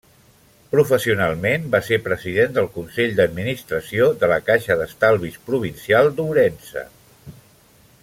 Professionalment va ser president del consell d'administració de la Caixa d'Estalvis Provincial d'Ourense.